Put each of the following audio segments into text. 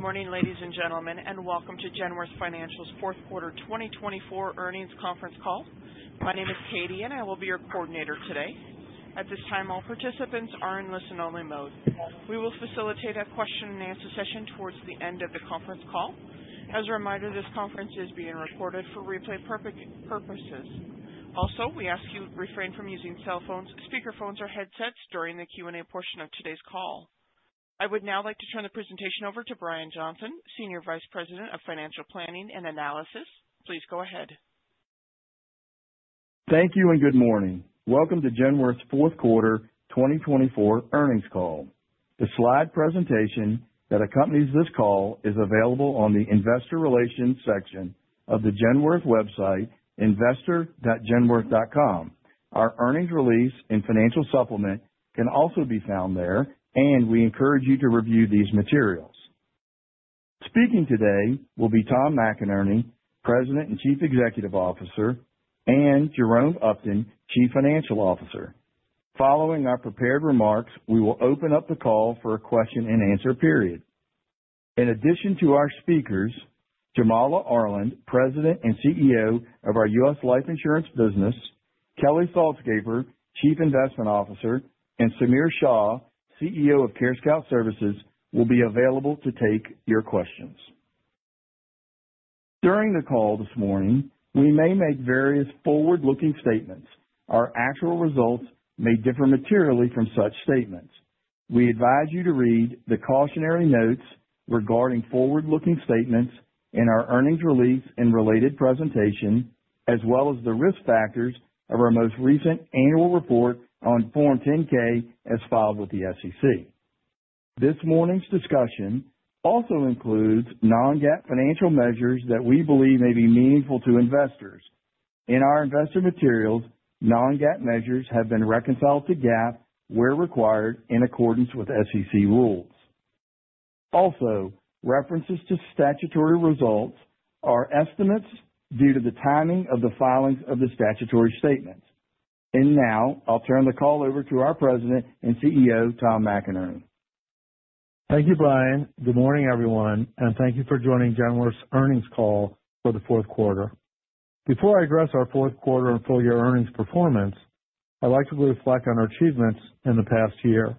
Good morning, ladies and gentlemen, and welcome to Genworth Financial's Fourth Quarter 2024 Earnings Conference Call. My name is Katie, and I will be your coordinator today. At this time, all participants are in listen-only mode. We will facilitate a question-and-answer session towards the end of the conference call. As a reminder, this conference is being recorded for replay purposes. Also, we ask you to refrain from using cell phones, speakerphones, or headsets during the Q&A portion of today's call. I would now like to turn the presentation over to Brian Johnson, Senior Vice President of Financial Planning and Analysis. Please go ahead. Thank you and good morning. Welcome to Genworth's Fourth Quarter 2024 Earnings Call. The slide presentation that accompanies this call is available on the Investor Relations section of the Genworth website, investor.genworth.com. Our earnings release and financial supplement can also be found there, and we encourage you to review these materials. Speaking today will be Tom McInerney, President and Chief Executive Officer, and Jerome Upton, Chief Financial Officer. Following our prepared remarks, we will open up the call for a question-and-answer period. In addition to our speakers, Jamala Arland, President and CEO of our U.S. life insurance business; Kelly Saltzgaber, Chief Investment Officer; and Samir Shah, CEO of CareScout Services, will be available to take your questions. During the call this morning, we may make various forward-looking statements. Our actual results may differ materially from such statements. We advise you to read the cautionary notes regarding forward-looking statements in our earnings release and related presentation, as well as the risk factors of our most recent annual report on Form 10-K as filed with the SEC. This morning's discussion also includes non-GAAP financial measures that we believe may be meaningful to investors. In our investor materials, non-GAAP measures have been reconciled to GAAP where required in accordance with SEC rules. Also, references to statutory results are estimates due to the timing of the filings of the statutory statements, and now I'll turn the call over to our President and CEO, Tom McInerney. Thank you, Brian. Good morning, everyone, and thank you for joining Genworth's Earnings Call for the Fourth Quarter. Before I address our fourth quarter and full-year earnings performance, I'd like to reflect on our achievements in the past year.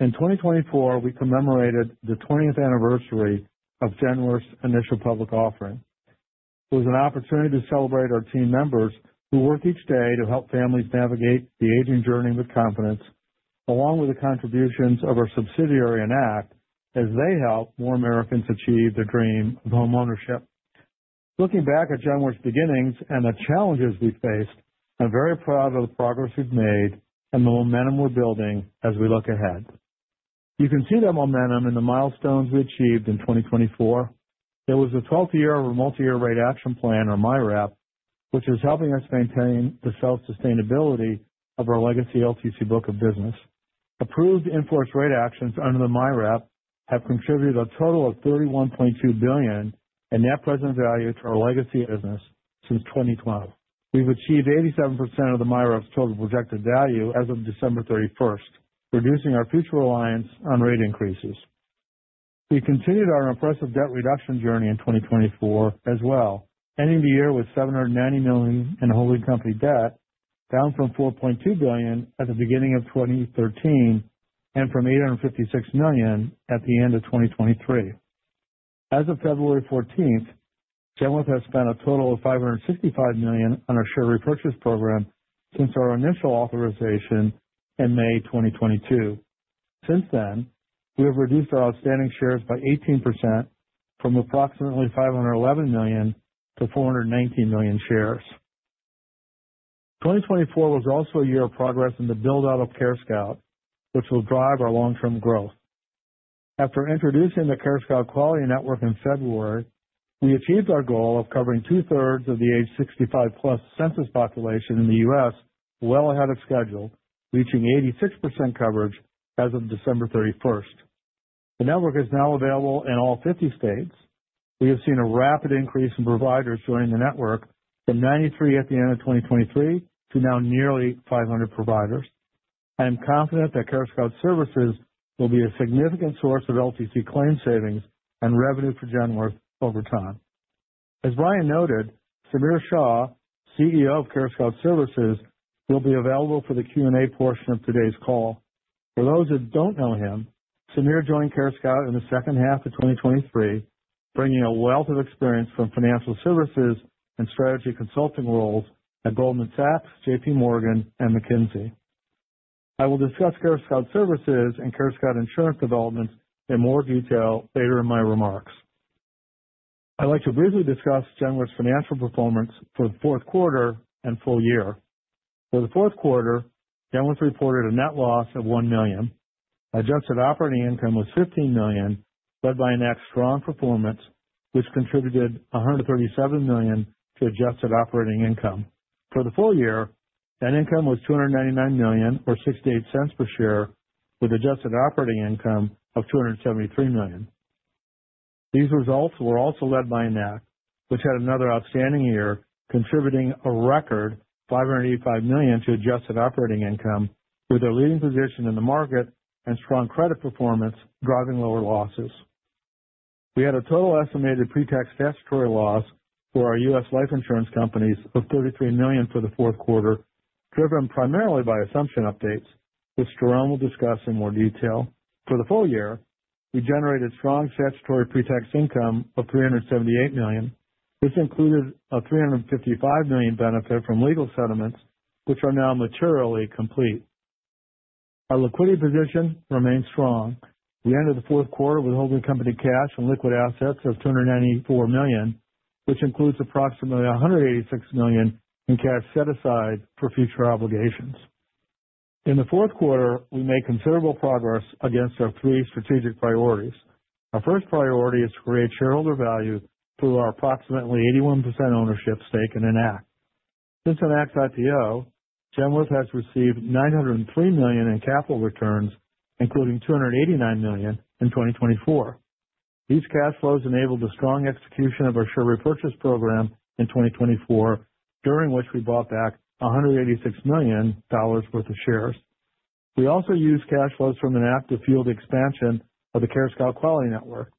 In 2024, we commemorated the 20th anniversary of Genworth's initial public offering. It was an opportunity to celebrate our team members who work each day to help families navigate the aging journey with confidence, along with the contributions of our subsidiary Enact, as they help more Americans achieve their dream of homeownership. Looking back at Genworth's beginnings and the challenges we faced, I'm very proud of the progress we've made and the momentum we're building as we look ahead. You can see that momentum in the milestones we achieved in 2024. It was the 12th year of our Multi-Year Rate Action Plan, or MYRAP, which is helping us maintain the self-sustainability of our legacy LTC book of business. Approved in-force rate actions under the MYRAP have contributed a total of $31.2 billion in net present value to our legacy business since 2012. We've achieved 87% of the MYRAP's total projected value as of December 31st, reducing our future reliance on rate increases. We continued our impressive debt reduction journey in 2024 as well, ending the year with $790 million in holding company debt, down from $4.2 billion at the beginning of 2013 and from $856 million at the end of 2023. As of February 14th, Genworth has spent a total of $565 million on our share repurchase program since our initial authorization in May 2022. Since then, we have reduced our outstanding shares by 18% from approximately 511 million to 419 million shares. 2024 was also a year of progress in the build-out of CareScout, which will drive our long-term growth. After introducing the CareScout Quality Network in February, we achieved our goal of covering 2/3 of the age 65+ census population in the U.S. well ahead of schedule, reaching 86% coverage as of December 31st. The network is now available in all 50 states. We have seen a rapid increase in providers joining the network, from 93 at the end of 2023 to now nearly 500 providers. I am confident that CareScout Services will be a significant source of LTC claim savings and revenue for Genworth over time. As Brian noted, Samir Shah, CEO of CareScout Services, will be available for the Q&A portion of today's call. For those that don't know him, Samir joined CareScout in the second half of 2023, bringing a wealth of experience from financial services and strategy consulting roles at Goldman Sachs, JP Morgan, and McKinsey. I will discuss CareScout Services and CareScout Insurance developments in more detail later in my remarks. I'd like to briefly discuss Genworth's financial performance for the fourth quarter and full year. For the fourth quarter, Genworth reported a net loss of $1 million. Adjusted operating income was $15 million, led by Enact's strong performance, which contributed $137 million to adjusted operating income. For the full year, net income was $299 million, or $0.68 per share, with adjusted operating income of $273 million. These results were also led by Enact which had another outstanding year, contributing a record $585 million to adjusted operating income, with a leading position in the market and strong credit performance driving lower losses. We had a total estimated pre-tax statutory loss for our U.S. life insurance companies of $33 million for the fourth quarter, driven primarily by assumption updates, which Jerome will discuss in more detail. For the full year, we generated strong statutory pre-tax income of $378 million, which included a $355 million benefit from legal settlements, which are now materially complete. Our liquidity position remained strong. We ended the fourth quarter with holding company cash and liquid assets of $294 million, which includes approximately $186 million in cash set aside for future obligations. In the fourth quarter, we made considerable progress against our three strategic priorities. Our first priority is to create shareholder value through our approximately 81% ownership stake in Enact. Since Enact's IPO, Genworth has received $903 million in capital returns, including $289 million in 2024. These cash flows enabled the strong execution of our share repurchase program in 2024, during which we bought back $186 million worth of shares. We also used cash flows from Enact to fund expansion of the CareScout Quality Network.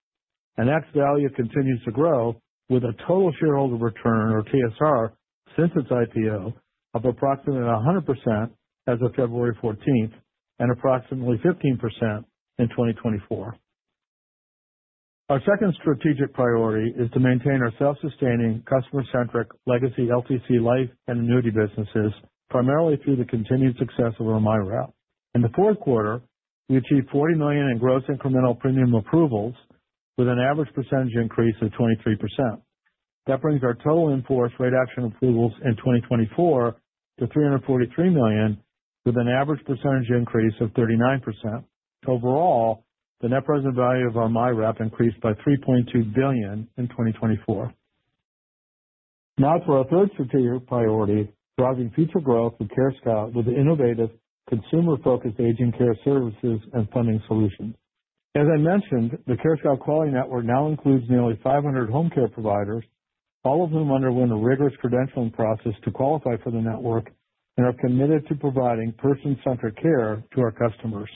Enact's value continues to grow, with a total shareholder return, or TSR, since its IPO of approximately 100% as of February 14th and approximately 15% in 2024. Our second strategic priority is to maintain our self-sustaining, customer-centric legacy LTC life and annuity businesses, primarily through the continued success of our MYRAP. In the fourth quarter, we achieved $40 million in gross incremental premium approvals, with an average percentage increase of 23%. That brings our total in-force rate action approvals in 2024 to $343 million, with an average percentage increase of 39%. Overall, the net present value of our MYRAP increased by $3.2 billion in 2024. Now for our third strategic priority, driving future growth for CareScout with innovative, consumer-focused aging care services and funding solutions. As I mentioned, the CareScout Quality Network now includes nearly 500 home care providers, all of whom underwent a rigorous credentialing process to qualify for the network and are committed to providing person-centered care to our customers.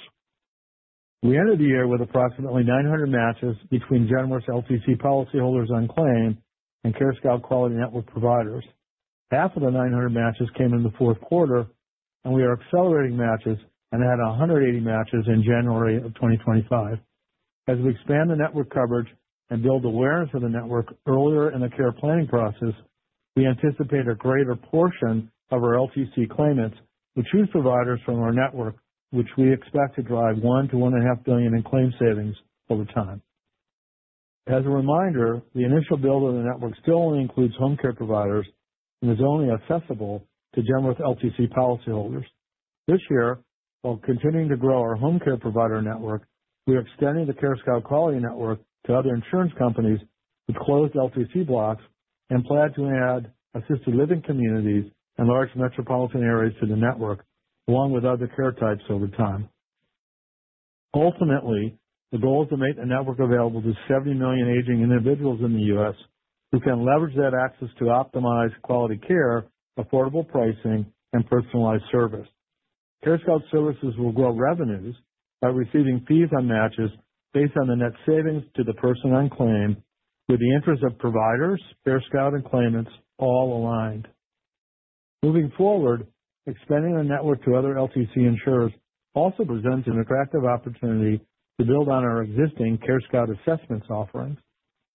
We ended the year with approximately 900 matches between Genworth's LTC policyholders on claim and CareScout Quality Network providers. Half of the 900 matches came in the fourth quarter, and we are accelerating matches and had 180 matches in January of 2025. As we expand the network coverage and build awareness of the network earlier in the care planning process, we anticipate a greater portion of our LTC claimants will choose providers from our network, which we expect to drive $1-$1.5 billion in claim savings over time. As a reminder, the initial build of the network still only includes home care providers and is only accessible to Genworth LTC policyholders. This year, while continuing to grow our home care provider network, we are extending the CareScout Quality Network to other insurance companies with closed LTC blocks and plan to add assisted living communities and large metropolitan areas to the network, along with other care types over time. Ultimately, the goal is to make the network available to 70 million aging individuals in the U.S. who can leverage that access to optimized quality care, affordable pricing, and personalized service. CareScout Services will grow revenues by receiving fees on matches based on the net savings to the person on claim, with the interest of providers, CareScout, and claimants all aligned. Moving forward, expanding the network to other LTC insurers also presents an attractive opportunity to build on our existing CareScout assessments offerings.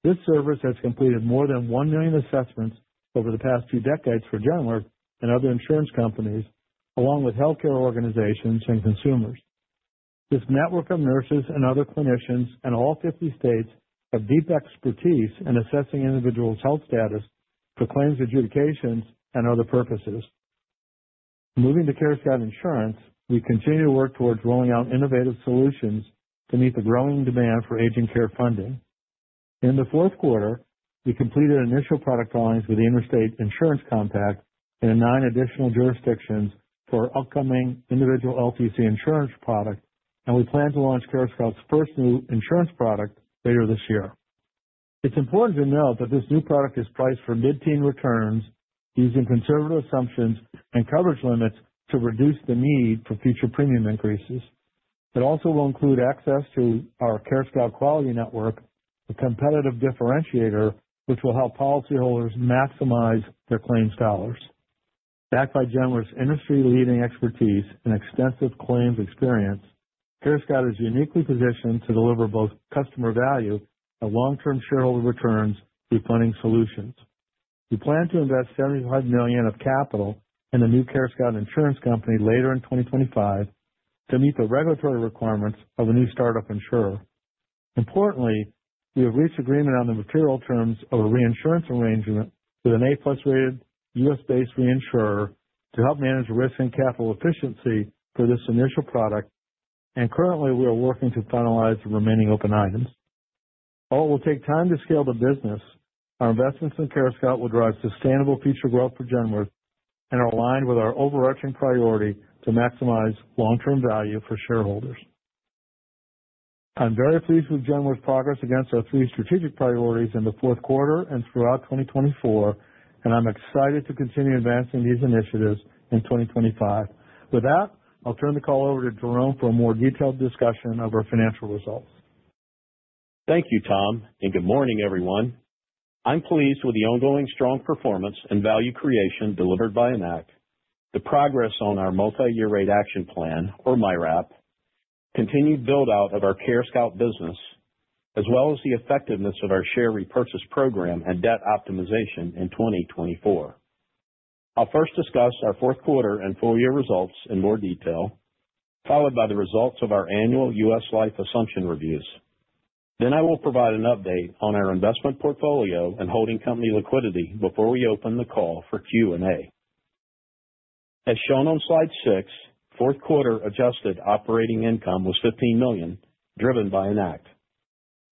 This service has completed more than one million assessments over the past two decades for Genworth and other insurance companies, along with healthcare organizations and consumers. This network of nurses and other clinicians in all 50 states have deep expertise in assessing individuals' health status for claims adjudications and other purposes. Moving to CareScout Insurance, we continue to work towards rolling out innovative solutions to meet the growing demand for aging care funding. In the fourth quarter, we completed initial product drawings with the Interstate Insurance Compact in nine additional jurisdictions for our upcoming individual LTC insurance product, and we plan to launch CareScout's first new insurance product later this year. It's important to note that this new product is priced for mid-teen returns, using conservative assumptions and coverage limits to reduce the need for future premium increases. It also will include access to our CareScout Quality Network, a competitive differentiator, which will help policyholders maximize their claims dollars. Backed by Genworth's industry-leading expertise and extensive claims experience, CareScout is uniquely positioned to deliver both customer value and long-term shareholder returns through funding solutions. We plan to invest $75 million of capital in a new CareScout Insurance Company later in 2025 to meet the regulatory requirements of a new startup insurer. Importantly, we have reached agreement on the material terms of a reinsurance arrangement with an A+ rated U.S.-based reinsurer to help manage risk and capital efficiency for this initial product, and currently, we are working to finalize the remaining open items. While it will take time to scale the business, our investments in CareScout will drive sustainable future growth for Genworth and are aligned with our overarching priority to maximize long-term value for shareholders. I'm very pleased with Genworth's progress against our three strategic priorities in the fourth quarter and throughout 2024, and I'm excited to continue advancing these initiatives in 2025. With that, I'll turn the call over to Jerome for a more detailed discussion of our financial results. Thank you, Tom, and good morning, everyone. I'm pleased with the ongoing strong performance and value creation delivered by Enact, the progress on our Multi-Year Rate Action Plan, or MYRAP, continued build-out of our CareScout business, as well as the effectiveness of our share repurchase program and debt optimization in 2024. I'll first discuss our fourth quarter and full-year results in more detail, followed by the results of our annual U.S. life assumption reviews. Then I will provide an update on our investment portfolio and holding company liquidity before we open the call for Q&A. As shown on slide six, fourth quarter adjusted operating income was $15 million, driven by Enact.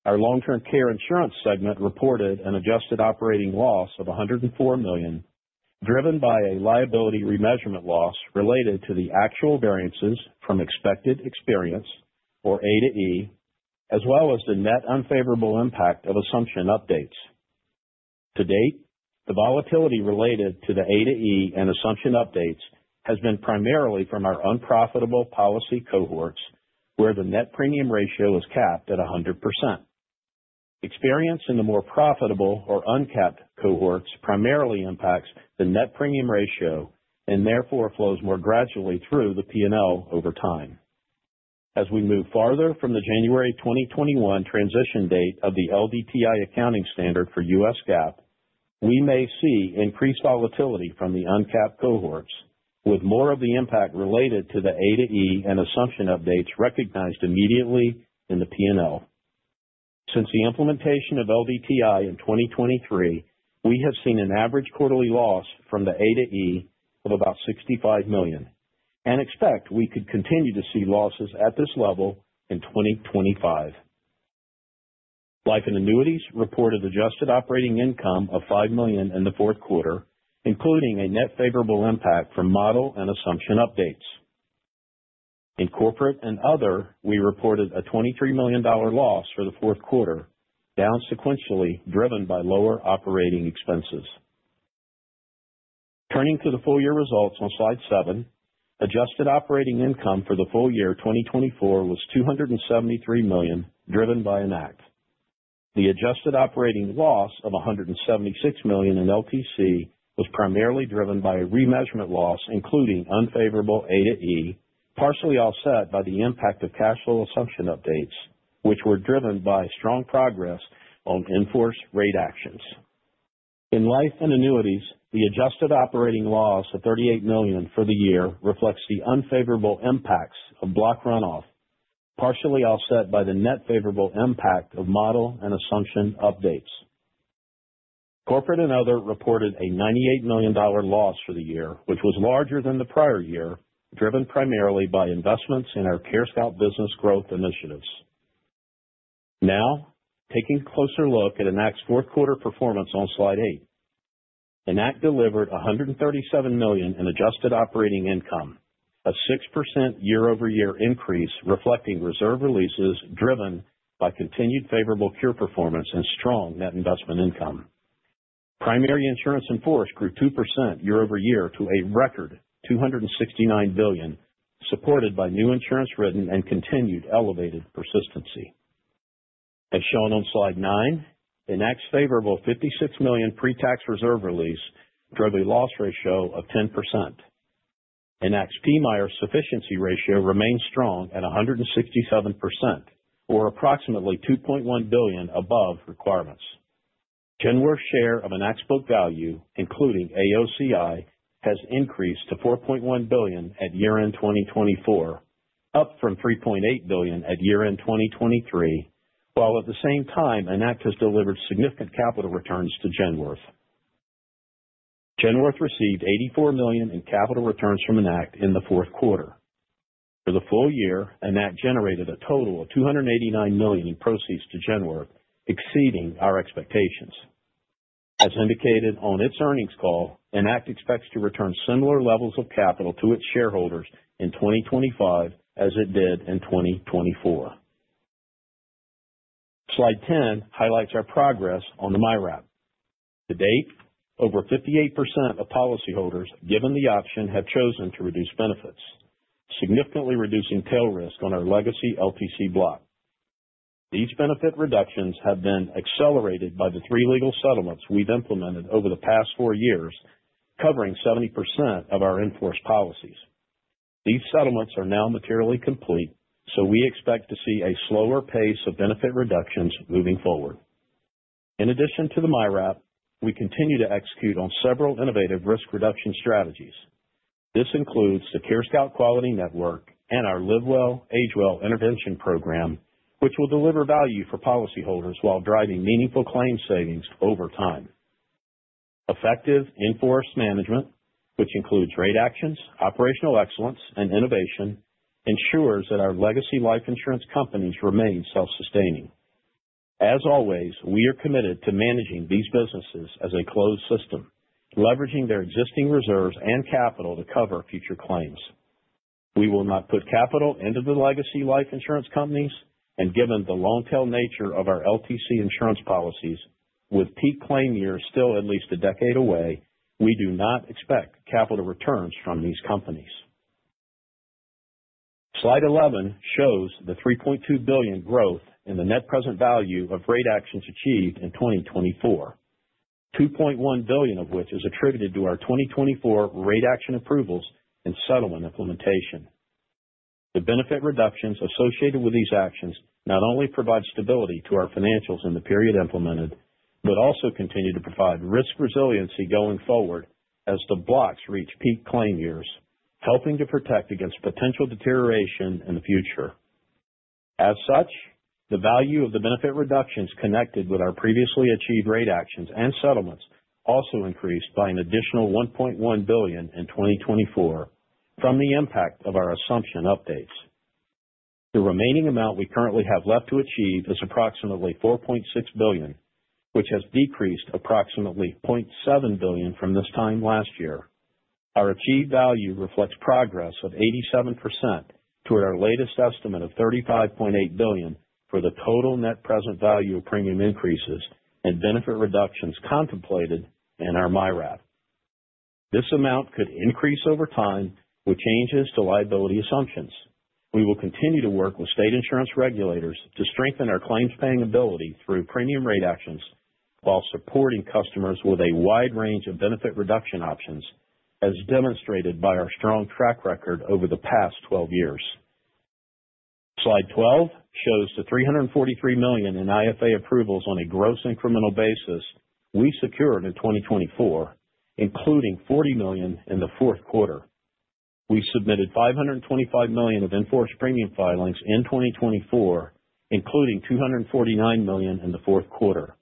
Our Long-Term Care Insurance segment reported an adjusted operating loss of $104 million, driven by a liability remeasurement loss related to the actual variances from expected experience, or A/E, as well as the net unfavorable impact of assumption updates. To date, the volatility related to the A/E and assumption updates has been primarily from our unprofitable policy cohorts, where the net premium ratio is capped at 100%. Experience in the more profitable or uncapped cohorts primarily impacts the net premium ratio and therefore flows more gradually through the P&L over time. As we move farther from the January 2021 transition date of the LDTI accounting standard for U.S. GAAP, we may see increased volatility from the uncapped cohorts, with more of the impact related to the A/E and assumption updates recognized immediately in the P&L. Since the implementation of LDTI in 2023, we have seen an average quarterly loss from the A/E of about $65 million and expect we could continue to see losses at this level in 2025. Life and annuities reported adjusted operating income of $5 million in the fourth quarter, including a net favorable impact from model and assumption updates. In Corporate and Other, we reported a $23 million loss for the fourth quarter, down sequentially driven by lower operating expenses. Turning to the full-year results on slide seven, adjusted operating income for the full year 2024 was $273 million, driven by Enact. The adjusted operating loss of $176 million in LTC was primarily driven by a remeasurement loss, including unfavorable A/E, partially offset by the impact of cash flow assumption updates, which were driven by strong progress on in-force rate actions. In Life and Annuities, the adjusted operating loss of $38 million for the year reflects the unfavorable impacts of block runoff, partially offset by the net favorable impact of model and assumption updates. Corporate and other reported a $98 million loss for the year, which was larger than the prior year, driven primarily by investments in our CareScout business growth initiatives. Now, taking a closer look at Enact's fourth quarter performance on slide eight, Enact delivered $137 million in adjusted operating income, a 6% year-over-year increase reflecting reserve releases driven by continued favorable cure performance and strong net investment income. Primary insurance in force grew 2% year-over-year to a record $269 billion, supported by new insurance written and continued elevated persistency. As shown on slide nine, Enact's favorable $56 million pre-tax reserve release drove a loss ratio of 10%. Enact's PMIR sufficiency ratio remained strong at 167%, or approximately $2.1 billion above requirements. Genworth's share of Enact's book value, including AOCI, has increased to $4.1 billion at year-end 2024, up from $3.8 billion at year-end 2023, while at the same time, Enact has delivered significant capital returns to Genworth. Genworth received $84 million in capital returns from Enact in the fourth quarter. For the full year, Enact generated a total of $289 million in proceeds to Genworth, exceeding our expectations. As indicated on its earnings call, Enact expects to return similar levels of capital to its shareholders in 2025 as it did in 2024. Slide 10 highlights our progress on the MYRAP. To date, over 58% of policyholders, given the option, have chosen to reduce benefits, significantly reducing tail risk on our legacy LTC block. These benefit reductions have been accelerated by the three legal settlements we've implemented over the past four years, covering 70% of our in-force policies. These settlements are now materially complete, so we expect to see a slower pace of benefit reductions moving forward. In addition to the MYRAP, we continue to execute on several innovative risk reduction strategies. This includes the CareScout Quality Network and our Live Well, Age Well intervention program, which will deliver value for policyholders while driving meaningful claim savings over time. Effective in-force management, which includes rate actions, operational excellence, and innovation, ensures that our legacy life insurance companies remain self-sustaining. As always, we are committed to managing these businesses as a closed system, leveraging their existing reserves and capital to cover future claims. We will not put capital into the legacy life insurance companies, and given the long-tail nature of our LTC insurance policies, with peak claim years still at least a decade away, we do not expect capital returns from these companies. Slide 11 shows the $3.2 billion growth in the net present value of rate actions achieved in 2024, $2.1 billion of which is attributed to our 2024 rate action approvals and settlement implementation. The benefit reductions associated with these actions not only provide stability to our financials in the period implemented, but also continue to provide risk resiliency going forward as the blocks reach peak claim years, helping to protect against potential deterioration in the future. As such, the value of the benefit reductions connected with our previously achieved rate actions and settlements also increased by an additional $1.1 billion in 2024 from the impact of our assumption updates. The remaining amount we currently have left to achieve is approximately $4.6 billion, which has decreased approximately $0.7 billion from this time last year. Our achieved value reflects progress of 87% to our latest estimate of $35.8 billion for the total net present value of premium increases and benefit reductions contemplated in our MYRAP. This amount could increase over time with changes to liability assumptions. We will continue to work with state insurance regulators to strengthen our claims paying ability through premium rate actions while supporting customers with a wide range of benefit reduction options, as demonstrated by our strong track record over the past 12 years. Slide 12 shows the $343 million in IFA approvals on a gross incremental basis we secured in 2024, including $40 million in the fourth quarter. We submitted $525 million of in-force premium filings in 2024, including $249 million in the fourth quarter.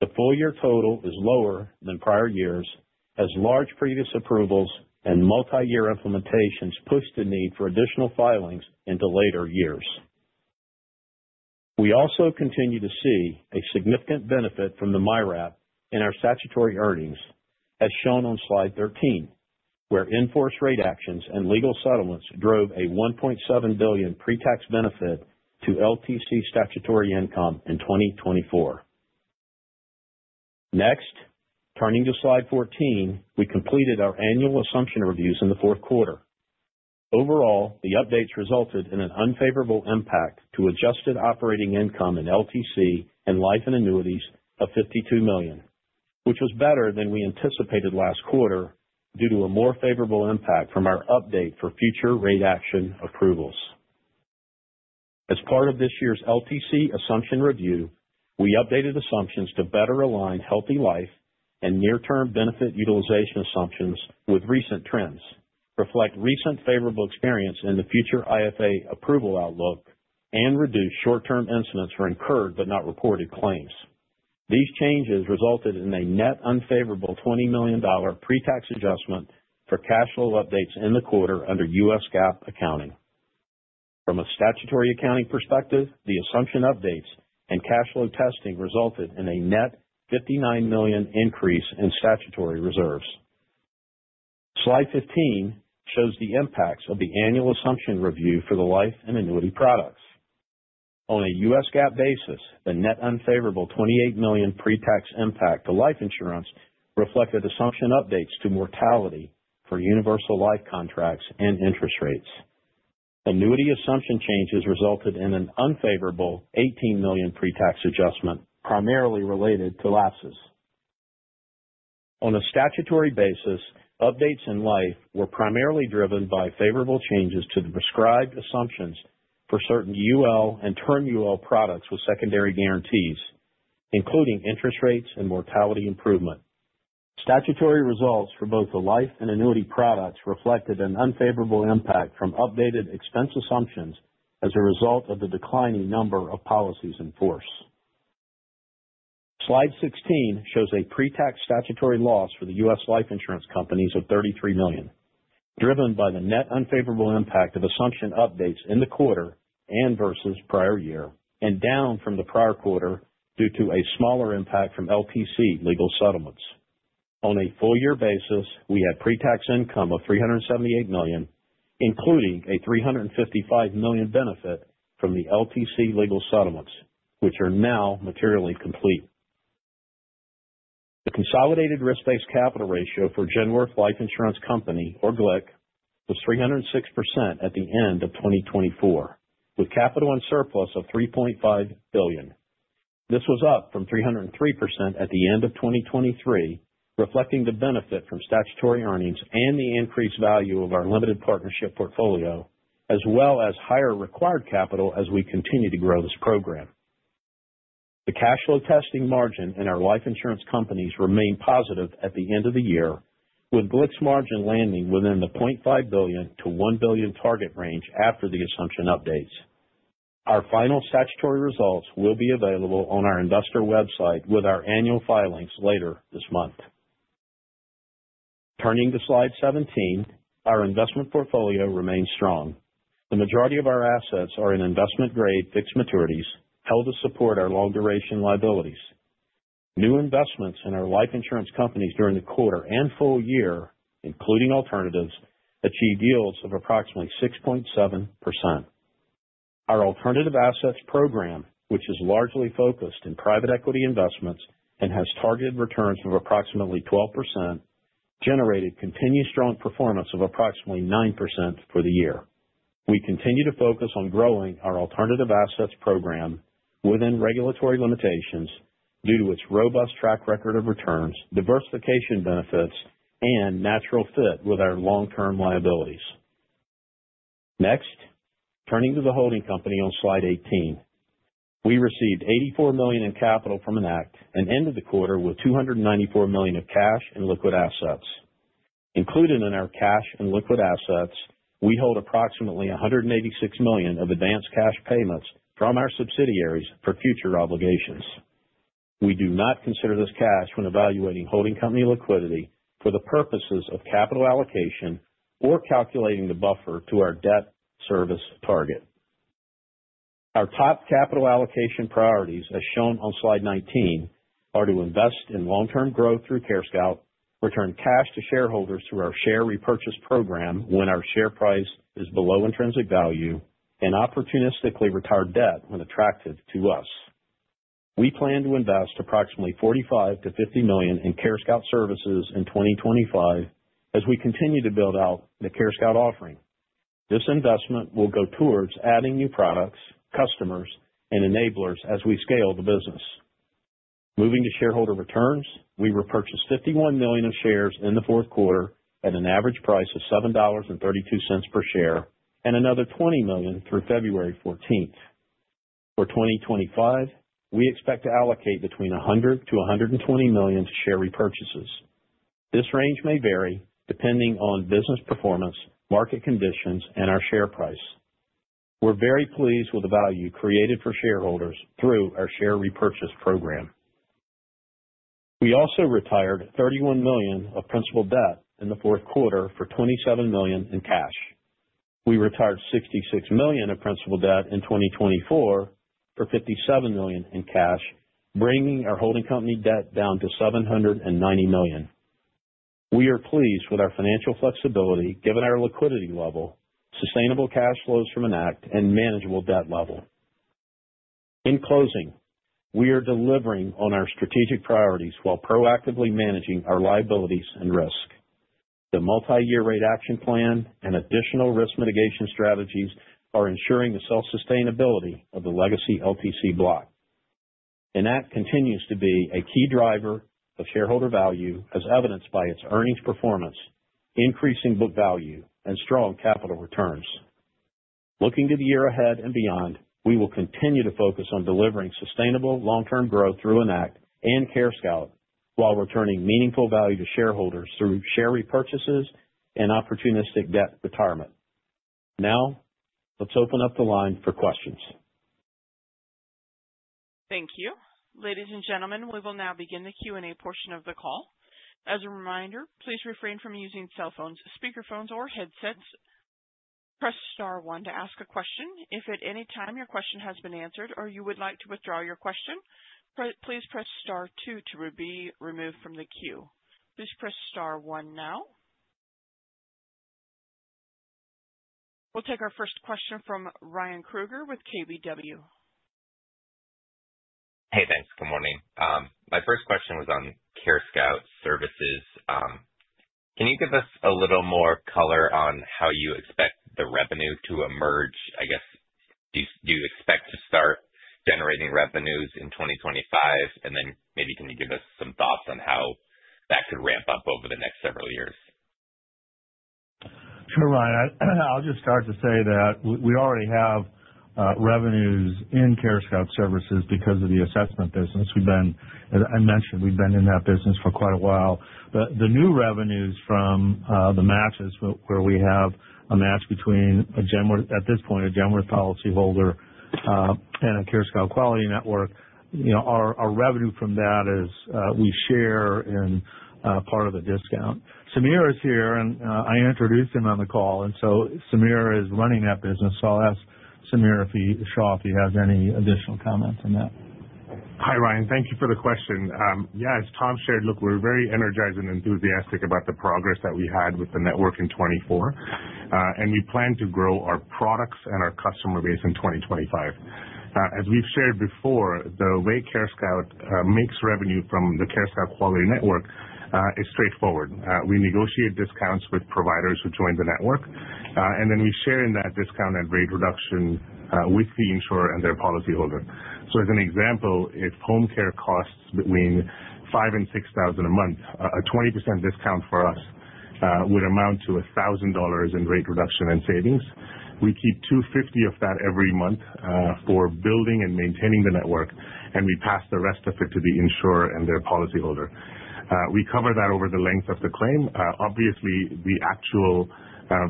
The full-year total is lower than prior years, as large previous approvals and multi-year implementations pushed the need for additional filings into later years. We also continue to see a significant benefit from the MYRAP in our statutory earnings, as shown on slide 13, where enforced rate actions and legal settlements drove a $1.7 billion pre-tax benefit to LTC statutory income in 2024. Next, turning to slide 14, we completed our annual assumption reviews in the fourth quarter. Overall, the updates resulted in an unfavorable impact to adjusted operating income in LTC and life and annuities of $52 million, which was better than we anticipated last quarter due to a more favorable impact from our update for future rate action approvals. As part of this year's LTC assumption review, we updated assumptions to better align healthy life and near-term benefit utilization assumptions with recent trends, reflect recent favorable experience in the future IFA approval outlook, and reduce short-term incidence for incurred but not reported claims. These changes resulted in a net unfavorable $20 million pre-tax adjustment for cash flow updates in the quarter under U.S. GAAP accounting. From a statutory accounting perspective, the assumption updates and cash flow testing resulted in a net $59 million increase in statutory reserves. Slide 15 shows the impacts of the annual assumption review for the life and annuity products. On a U.S. GAAP basis, the net unfavorable $28 million pre-tax impact to life insurance reflected assumption updates to mortality for universal life contracts and interest rates. Annuity assumption changes resulted in an unfavorable $18 million pre-tax adjustment, primarily related to lapses. On a statutory basis, updates in life were primarily driven by favorable changes to the prescribed assumptions for certain UL and Term UL products with secondary guarantees, including interest rates and mortality improvement. Statutory results for both the life and annuity products reflected an unfavorable impact from updated expense assumptions as a result of the declining number of policies in force. Slide 16 shows a pre-tax statutory loss for the U.S. life insurance companies of $33 million, driven by the net unfavorable impact of assumption updates in the quarter and versus prior year, and down from the prior quarter due to a smaller impact from LTC legal settlements. On a full-year basis, we had pre-tax income of $378 million, including a $355 million benefit from the LTC legal settlements, which are now materially complete. The consolidated risk-based capital ratio for Genworth Life Insurance Company, or GLIC, was 306% at the end of 2024, with capital and surplus of $3.5 billion. This was up from 303% at the end of 2023, reflecting the benefit from statutory earnings and the increased value of our limited partnership portfolio, as well as higher required capital as we continue to grow this program. The cash flow testing margin in our life insurance companies remained positive at the end of the year, with GLIC's margin landing within the $0.5-$1 billion target range after the assumption updates. Our final statutory results will be available on our investor website with our annual filings later this month. Turning to slide 17, our investment portfolio remains strong. The majority of our assets are in investment-grade fixed maturities held to support our long-duration liabilities. New investments in our life insurance companies during the quarter and full year, including alternatives, achieved yields of approximately 6.7%. Our alternative assets program, which is largely focused in private equity investments and has targeted returns of approximately 12%, generated continued strong performance of approximately 9% for the year. We continue to focus on growing our alternative assets program within regulatory limitations due to its robust track record of returns, diversification benefits, and natural fit with our long-term liabilities. Next, turning to the holding company on slide 18, we received $84 million in capital from Enact and ended the quarter with $294 million of cash and liquid assets. Included in our cash and liquid assets, we hold approximately $186 million of advance cash payments from our subsidiaries for future obligations. We do not consider this cash when evaluating holding company liquidity for the purposes of capital allocation or calculating the buffer to our debt service target. Our top capital allocation priorities, as shown on slide 19, are to invest in long-term growth through CareScout, return cash to shareholders through our share repurchase program when our share price is below intrinsic value, and opportunistically retire debt when attractive to us. We plan to invest approximately $45-$50 million in CareScout Services in 2025 as we continue to build out the CareScout offering. This investment will go towards adding new products, customers, and enablers as we scale the business. Moving to shareholder returns, we repurchased $51 million of shares in the fourth quarter at an average price of $7.32 per share and another $20 million through February 14. For 2025, we expect to allocate between $100-$120 million to share repurchases. This range may vary depending on business performance, market conditions, and our share price. We're very pleased with the value created for shareholders through our share repurchase program. We also retired $31 million of principal debt in the fourth quarter for $27 million in cash. We retired $66 million of principal debt in 2024 for $57 million in cash, bringing our holding company debt down to $790 million. We are pleased with our financial flexibility given our liquidity level, sustainable cash flows from Enact, and manageable debt level. In closing, we are delivering on our strategic priorities while proactively managing our liabilities and risk. The Multi-Year Rate Action Plan and additional risk mitigation strategies are ensuring the self-sustainability of the legacy LTC block. Enact continues to be a key driver of shareholder value, as evidenced by its earnings performance, increasing book value, and strong capital returns. Looking to the year ahead and beyond, we will continue to focus on delivering sustainable long-term growth through Enact and CareScout while returning meaningful value to shareholders through share repurchases and opportunistic debt retirement. Now, let's open up the line for questions. Thank you. Ladies and gentlemen, we will now begin the Q&A portion of the call. As a reminder, please refrain from using cell phones, speakerphones, or headsets. Press star one to ask a question. If at any time your question has been answered or you would like to withdraw your question, please press star two to be removed from the queue. Please press star one now. We'll take our first question from Ryan Krueger with KBW. Hey, thanks. Good morning. My first question was on CareScout Services. Can you give us a little more color on how you expect the revenue to emerge? I guess, do you expect to start generating revenues in 2025? And then maybe can you give us some thoughts on how that could ramp up over the next several years? Sure, Ryan. I'll just start to say that we already have revenues in CareScout Services because of the assessment business. We've been, as I mentioned, we've been in that business for quite a while. The new revenues from the matches, where we have a match between a, at this point, a Genworth policyholder and a CareScout Quality Network, our revenue from that is we share in part of the discount. Samir is here, and I introduced him on the call. And so Samir is running that business. So I'll ask Samir if he has any additional comments on that. Hi, Ryan. Thank you for the question. Yeah, as Tom shared, look, we're very energized and enthusiastic about the progress that we had with the network in 2024. And we plan to grow our products and our customer base in 2025. As we've shared before, the way CareScout makes revenue from the CareScout Quality Network is straightforward. We negotiate discounts with providers who join the network, and then we share in that discount and rate reduction with the insurer and their policyholder. So as an example, if home care costs between $5,000 and $6,000 a month, a 20% discount for us would amount to $1,000 in rate reduction and savings. We keep $250 of that every month for building and maintaining the network, and we pass the rest of it to the insurer and their policyholder. We cover that over the length of the claim. Obviously, the actual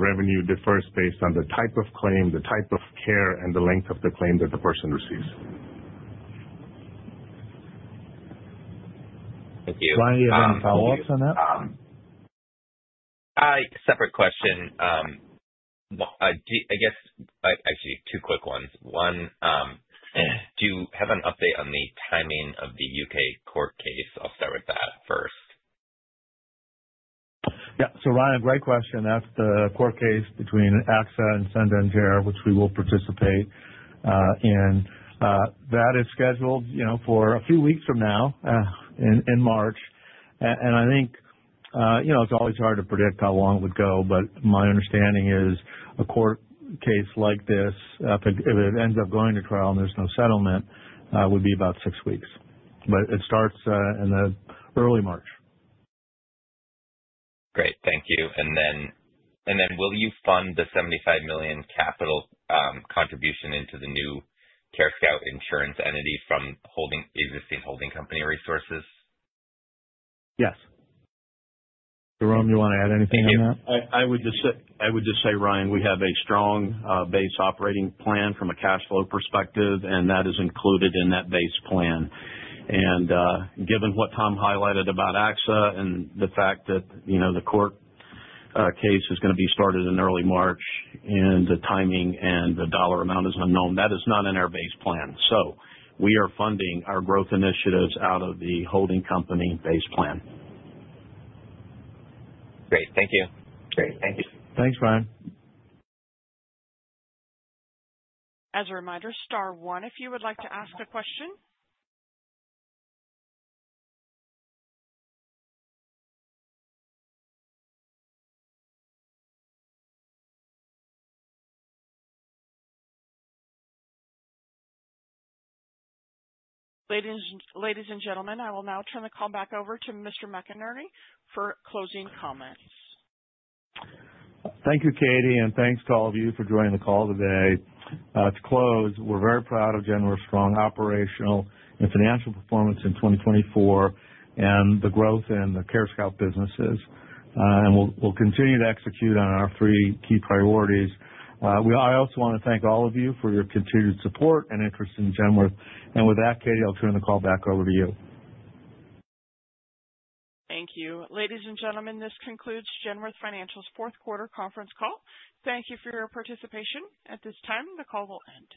revenue differs based on the type of claim, the type of care, and the length of the claim that the person receives. Thank you. Do you have any follow-ups on that? Separate question. I guess, actually, two quick ones. One, do you have an update on the timing of the U.K. court case? I'll start with that first. Yeah. So, Ryan, great question. That's the court case between AXA and Santander, which we will participate in. That is scheduled for a few weeks from now in March. And I think it's always hard to predict how long it would go, but my understanding is a court case like this, if it ends up going to trial and there's no settlement, would be about six weeks. But it starts in early March. Great. Thank you. And then will you fund the $75 million capital contribution into the new CareScout insurance entity from existing holding company resources? Yes. Jerome, you want to add anything on that? I would just say, Ryan, we have a strong base operating plan from a cash flow perspective, and that is included in that base plan. And given what Tom highlighted about AXA and the fact that the court case is going to be started in early March and the timing and the dollar amount is unknown, that is not in our base plan. So we are funding our growth initiatives out of the holding company base plan. Great. Thank you. Great. Thank you. Thanks, Ryan. As a reminder, star one if you would like to ask a question. Ladies and gentlemen, I will now turn the call back over to Mr. McInerney for closing comments. Thank you, Katie, and thanks to all of you for joining the call today. To close, we're very proud of Genworth's strong operational and financial performance in 2024 and the growth in the CareScout businesses, and we'll continue to execute on our three key priorities. I also want to thank all of you for your continued support and interest in Genworth, and with that, Katie, I'll turn the call back over to you. Thank you. Ladies and gentlemen, this concludes Genworth Financial's Fourth Quarter Conference Call. Thank you for your participation. At this time, the call will end.